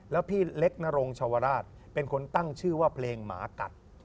แล้วพี่เล็กนรงชาวราชเป็นคนตั้งชื่อว่าเพลงหมากัด